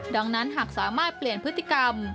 ดังนั้นหากสามารถเปลี่ยนพฤติกรรม